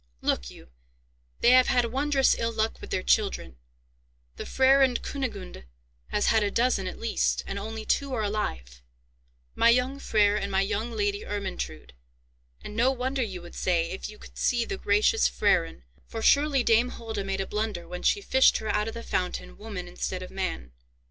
"Look you, they have had wondrous ill luck with their children; the Freiherrinn Kunigunde has had a dozen at least, and only two are alive, my young Freiherr and my young Lady Ermentrude; and no wonder, you would say, if you could see the gracious Freiherrinn, for surely Dame Holda made a blunder when she fished her out of the fountain woman instead of man.